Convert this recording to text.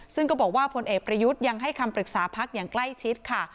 ซึ่งก็บอกว่าพลเอกประยุทธ์ยังให้คำปรึกษาพักอย่างใกล้ชิดค่ะ